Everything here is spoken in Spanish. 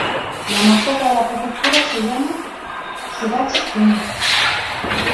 La mascota de la prefectura se llama 'Sudachi-kun'.